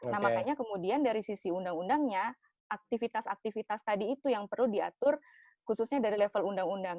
nah makanya kemudian dari sisi undang undangnya aktivitas aktivitas tadi itu yang perlu diatur khususnya dari level undang undang